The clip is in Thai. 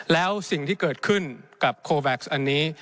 แล้วสิ่งที่เกิดขึ้นกับโคแบ็คซ์อันนี้